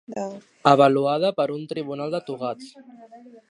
Avaluada per un tribunal de togats.